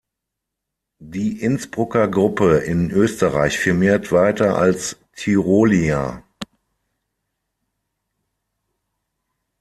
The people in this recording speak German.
Die Innsbrucker Gruppe in Österreich firmiert weiter als "Tyrolia".